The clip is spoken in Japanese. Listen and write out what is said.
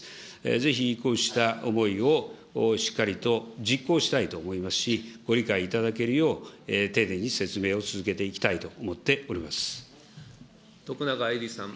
ぜひこうした思いをしっかりと実行したいと思いますし、ご理解いただけるよう、丁寧に説明を続け徳永エリさん。